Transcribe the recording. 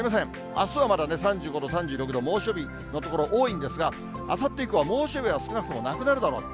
あすはまだ３５度、３６度、猛暑日の所が多いんですが、あさって以降は猛暑日は少なくともなくなるだろうと。